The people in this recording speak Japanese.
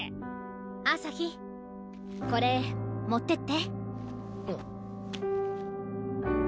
朝日これ持っていって。